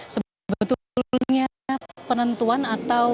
sebetulnya penentuan atau